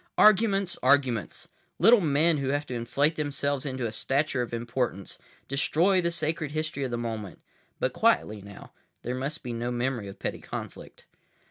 Arguments! Arguments! Little men who have to inflate themselves into a stature of importance—destroy the sacred history of the moment. But quietly now. There must be no memory of petty conflict.